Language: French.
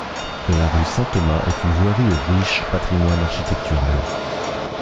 La rue Saint-Thomas est une voirie au riche patrimoine architectural.